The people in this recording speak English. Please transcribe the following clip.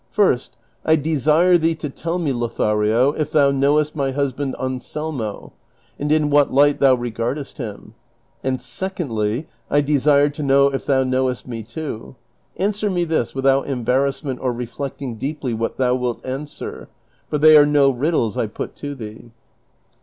First, I desire thee to tell me, Lothario, if thou knowest my husband Anselmo, and in what lijjht thou regardest him ; and secondly I desire to know if thou knowes't me too. Answer me this, without embarrassment or reflect ing deeply what thou wilt answer, for they are no riddles I put to thee."